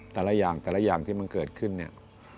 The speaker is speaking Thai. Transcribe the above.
แต่ละอย่างแต่ละอย่างที่มันเกิดขึ้นเนี่ย